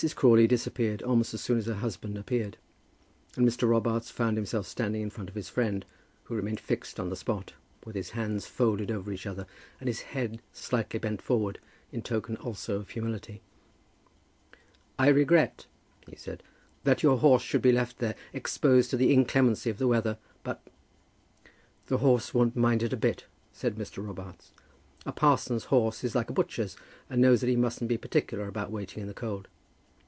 Crawley disappeared almost as soon as her husband appeared, and Mr. Robarts found himself standing in front of his friend, who remained fixed on the spot, with his hands folded over each other and his neck slightly bent forward, in token also of humility. "I regret," he said, "that your horse should be left there, exposed to the inclemency of the weather; but " "The horse won't mind it a bit," said Mr. Robarts. "A parson's horse is like a butcher's, and knows that he mustn't be particular about waiting in the cold."